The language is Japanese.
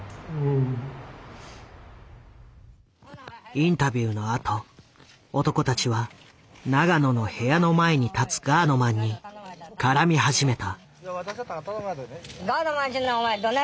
インタビューのあと男たちは永野の部屋の前に立つガードマンに絡み始めた。